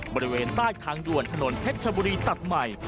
บริเวณใต้ทางด่วนถนนเพชรชบุรีตัดใหม่